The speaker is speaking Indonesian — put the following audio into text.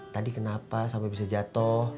tadi kenapa sampai bisa jatuh